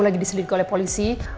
lagi diselidiki oleh polisi